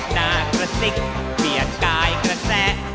หน้ากราสิกเบียดกายกระแส